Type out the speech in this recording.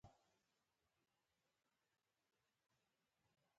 په لوستې ښځه کورنۍ ښايسته کېږي